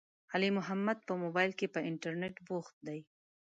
علي محمد په مبائل کې، په انترنيت بوخت دی.